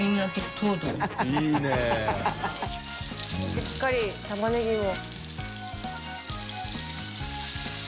しっかりタマネギも。